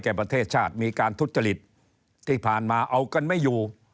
ประเทศชาติมีการทุจริตที่ผ่านมาเอากันไม่อยู่